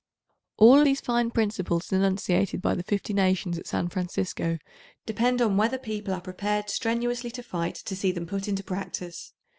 871 All these fine principles enunicated by the 50 nations at San Francisco depend on whether people are prepared stenuously to fight to see them put into practice.